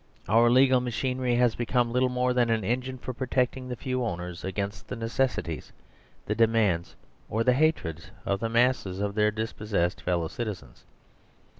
Our legal mach inery has become little more than an engine for pro tecting the few owners against the necessities, the de mands, or the hatred of the mass of their dispossess ed fellow citizens.